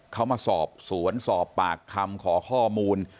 เขามาสอบสวนสอบปากคำขอข้อมูล